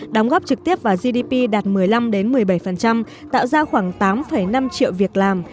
đóng góp trực tiếp vào gdp đạt một mươi năm một mươi bảy tạo ra khoảng tám năm triệu việc làm